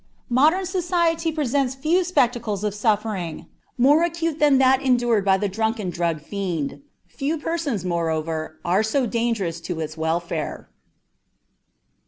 Modern society presents few spectacles of suffering more acute than that endured by the drunken drug fiend. Few persons, moreover, are so dangerous to its welfare.